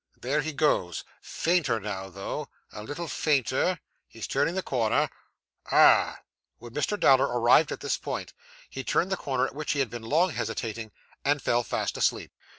There he goes. Fainter now, though. A little fainter. He's turning the corner. Ah!' When Mr. Dowler arrived at this point, he turned the corner at which he had been long hesitating, and fell fast asleep.